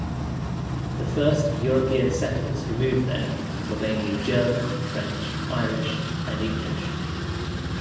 The first European settlers who moved there were mainly German, French, Irish and English.